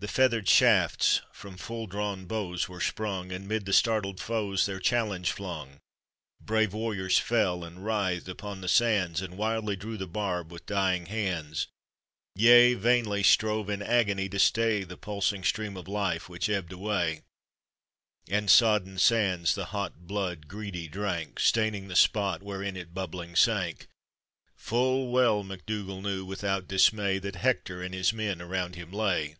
The feathered shafts from full drawn bows were sprung And 'mid the startled foes their challenge flung; Brave warriors fell, and writhed upon the sands, And wildly drew the barb with dying hands; Yea, vainly strove in agony to stay The pulsing stream of life which ebbed away; And sodden sands the hot blood greedy drank, Staining the spot wherein it bubbling sank; Full well MacDougall knew, without dismay. That Hector and his men around him lay!